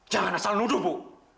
jangan asal nuduh bu